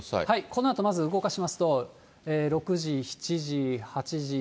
このあとまず動かしますと、６時、７時、８時、９時。